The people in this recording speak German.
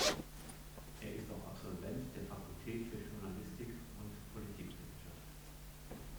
Er ist auch Absolvent der Fakultät für Journalistik und Politikwissenschaften.